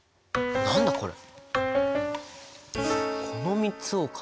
何だこれ。